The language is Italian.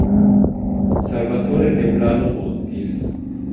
Salvatore de Plano Montis.